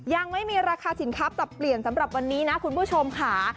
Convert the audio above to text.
ยังไม่มีราคาสินค้าปรับเปลี่ยนสำหรับวันนี้นะคุณผู้ชมค่ะ